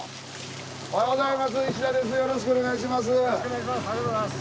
おはようございます石田です。